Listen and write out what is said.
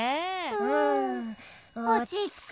うんおちつく。